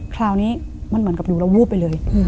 คราวนี้มันเหมือนกับอยู่เราวูบไปเลย